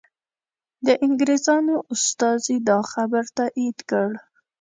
د انګریزانو استازي دا خبر تایید کړ.